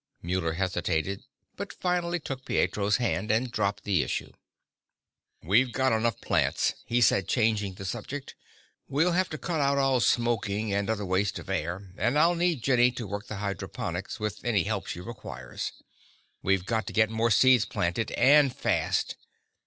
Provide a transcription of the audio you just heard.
Muller hesitated, but finally took Pietro's hand, and dropped the issue. "We've got enough plants," he said, changing the subject. "We'll have to cut out all smoking and other waste of air. And I'll need Jenny to work the hydroponics, with any help she requires. We've got to get more seeds planted, and fast.